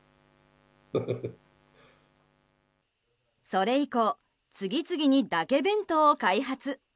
それ以降、次々にだけ弁当を開発。